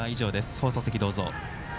放送席、どうぞ。